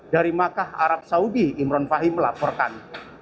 dari makkah arab saudi imran fahim melaporkan